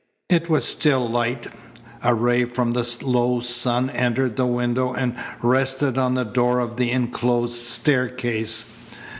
It was still light. A ray from the low sun entered the window and rested on the door of the enclosed staircase.